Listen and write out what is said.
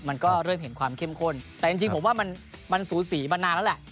มันก็เริ่มเห็นความเข้มข้นแต่จริงผมว่ามันสูสีมานานแล้วแหละ